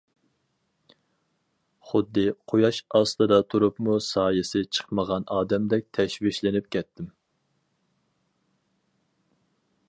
خۇددى، قۇياش ئاستىدا تۇرۇپمۇ سايىسى چىقمىغان ئادەمدەك تەشۋىشلىنىپ كەتتىم.